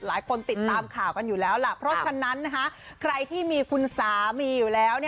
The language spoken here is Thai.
ติดตามข่าวกันอยู่แล้วล่ะเพราะฉะนั้นใครที่มีคุณสามีอยู่แล้ว